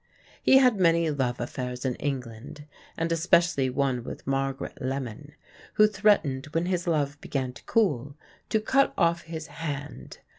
He had many love affairs in England, and especially one with Margaret Lemon, who threatened, when his love began to cool, to cut off his hand.